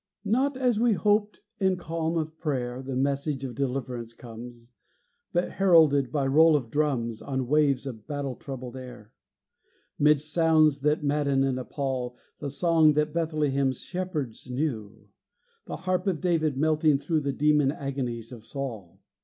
Not as we hoped, in calm of prayer, The message of deliverance comes, But heralded by roll of drums On waves of battle troubled air! Midst sounds that madden and appall, The song that Bethlehem's shepherds knew! The harp of David melting through The demon agonies of Saul!